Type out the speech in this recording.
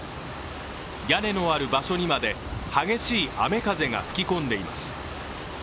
屋根のある場所にまで激しい雨・風が吹き込んでいます。